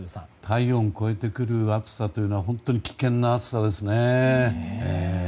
体温を超えてくる暑さというのは本当に危険な暑さですね。